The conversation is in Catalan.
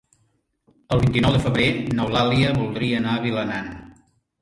El vint-i-nou de febrer n'Eulàlia voldria anar a Vilanant.